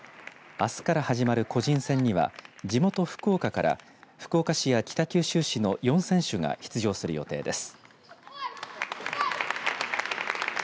あすから始まる個人戦には地元、福岡から福岡市や北九州市の４選手が出場する予定です。